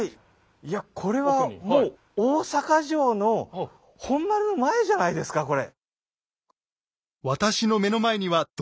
いやこれはもう大坂城の本丸の前じゃないですかこれ。